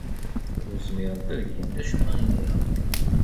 Ur zmirent ad gent acemma imir-a.